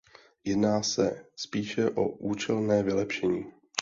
Jedná se spíše o účelné vylepšení.